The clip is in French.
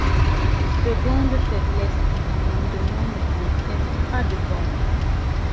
Seconde faiblesse : les amendements ne contiennent pas de borne.